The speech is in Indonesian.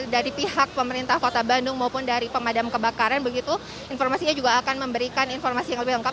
dari pihak pemerintah kota bandung maupun dari pemadam kebakaran begitu informasinya juga akan memberikan informasi yang lebih lengkap